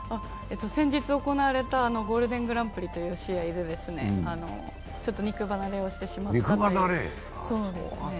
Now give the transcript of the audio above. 先日行われたゴールデングランプリという試合で、ちょっと肉離れをしてしまって。